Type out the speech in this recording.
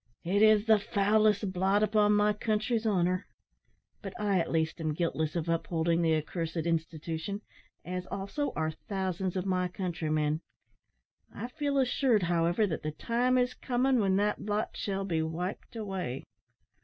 "It is the foulest blot upon my country's honour; but I at least am guiltless of upholding the accursed institution, as, also, are thousands of my countrymen. I feel assured, however, that the time is coming when that blot shall be wiped away."